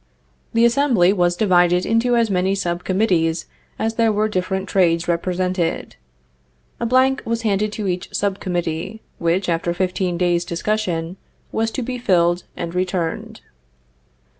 The assembly was divided into as many sub committees as there were different trades represented. A blank was handed to each sub committee, which, after fifteen days' discussion, was to be filled and returned.